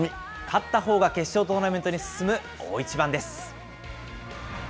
勝ったほうが決勝トーナメントに進む大一番です。